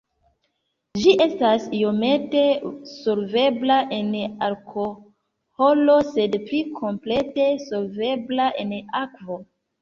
Ĝi estas iomete solvebla en alkoholo sed pli komplete solvebla en akvo.